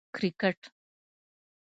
🏏 کرکټ